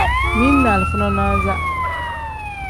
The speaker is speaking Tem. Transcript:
Mili ni alifa nonaza.